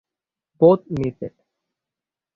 Both missed.